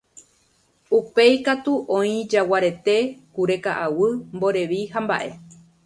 Upéi katu oĩ jaguarete, kure ka'aguy, mborevi hamba'e.